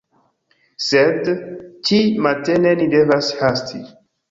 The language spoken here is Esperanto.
Sed, Ĉi matene ni devas hasti